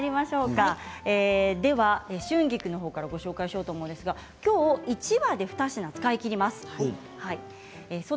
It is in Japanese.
春菊の方からご紹介しようと思うんですが、今日１把で２品、使い切ります。